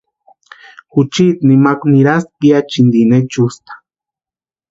Juchiti nimakwa nirasti piachintini ichusta.